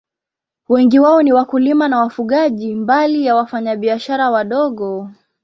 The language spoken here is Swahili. Wengi wao ni wakulima na wafugaji, mbali ya wafanyabiashara wadogo.